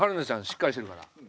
しっかりしてるから。